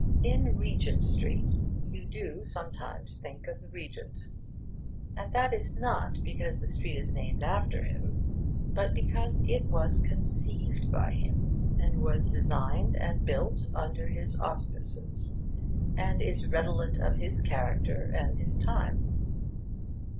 In Regent Street you do sometimes think of the Regent; and that is not because the street is named after him, but because it was conceived by him, and was designed and built under his auspices, and is redolent of his character and his time.